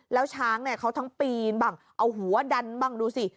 แล้วช้างเนี่ยเขาทั้งปีนบ้างเอาหัวดันบ้างดูสิ